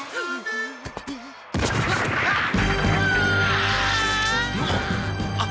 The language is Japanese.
あっ！